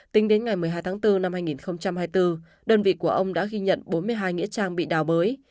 tính đến ngày một mươi hai tháng bốn năm hai nghìn hai mươi bốn đơn vị của ông đã ghi nhận bốn mươi hai nghĩa trang bị đào bới